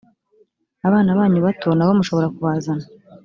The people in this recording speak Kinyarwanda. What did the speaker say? abana banyu bato na bo mushobora kubazana